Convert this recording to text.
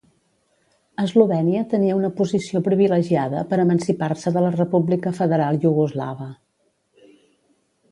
Eslovènia tenia una posició privilegiada per emancipar-se de la República Federal Iugoslava.